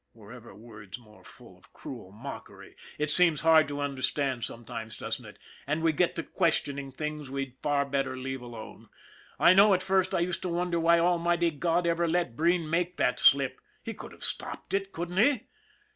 Were ever words more full of cruel mockery ! It seems hard to under stand sometimes, doesn't it ? And we get to question ing things we'd far better leave alone. I know at first I used to wonder why Almighty God ever let Breen make that slip. He could have stopped it, couldn't He?